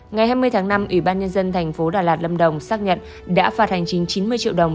ngày hai mươi tháng năm ủy ban nhân dân thành phố đà lạt lâm đồng xác nhận đã phạt hành chính chín mươi triệu đồng